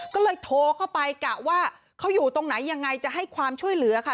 ก็เลยโทรเข้าไปกะว่าเขาอยู่ตรงไหนยังไงจะให้ความช่วยเหลือค่ะ